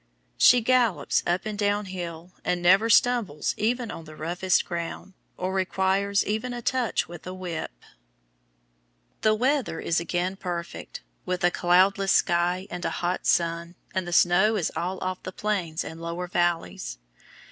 She gallops up and down hill, and never stumbles even on the roughest ground, or requires even a touch with a whip. The weather is again perfect, with a cloudless sky and a hot sun, and the snow is all off the plains and lower valleys.